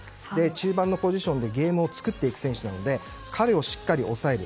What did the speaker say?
中盤のポジションでゲームを作っていく選手なので彼をしっかり押さえる。